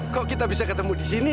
kok kita bisa ketemu di sini